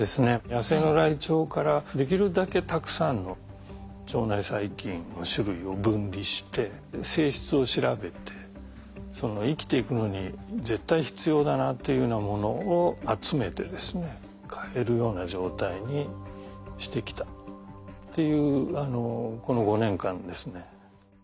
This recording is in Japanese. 野生のライチョウからできるだけたくさんの腸内細菌の種類を分離して性質を調べてその生きていくのに絶対必要だなというようなものを集めてですね飼えるような状態にしてきたっていうこの５年間ですね。